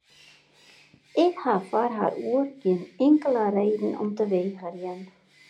Ik ha foar har oer gjin inkelde reden om te wegerjen.